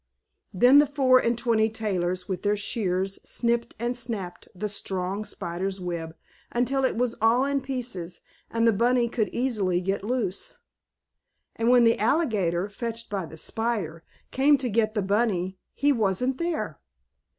Then the Four and Twenty Tailors, with their shears, sniped and snapped the strong spider's web until it was all in pieces and the bunny could easily get loose. And when the alligator, fetched by the spider, came to get the bunny he wasn't there.